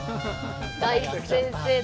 大先生だ。